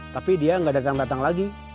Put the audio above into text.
tapi dia gak akan datang lagi